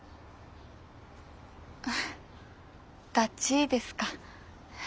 ダチですか。